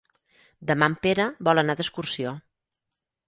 Demà en Pere vol anar d'excursió.